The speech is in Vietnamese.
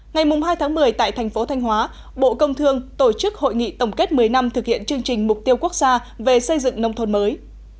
ngày hai tháng một mươi tại thành phố thanh hóa bộ công thương tổ chức hội nghị tổng kết một mươi năm thực hiện chương trình mục tiêu quốc gia về xây dựng nông thôn mới